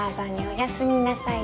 おやすみなさい。